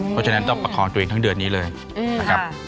เพราะฉะนั้นต้องประคองตัวเองทั้งเดือนนี้เลยนะครับ